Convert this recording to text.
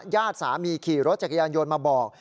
ญาติสามีขี่รถจักรยานยนต์มาบอก